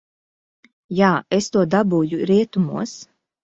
Jā, es to dabūju rietumos.